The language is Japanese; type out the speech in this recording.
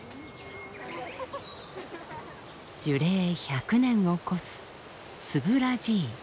樹齢１００年を超すツブラジイ。